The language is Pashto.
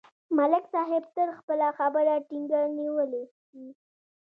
ملک صاحب تل خپله خبره ټینګه نیولې وي